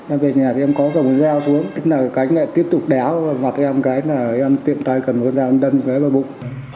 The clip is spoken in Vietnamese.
em về nhà thì em có cầm cái dao xuống tức là cánh này tiếp tục đéo vào mặt em cái là em tiệm tay cầm cái dao đâm cái vào bụng